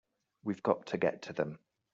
We've got to get to them!